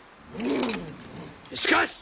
しかし！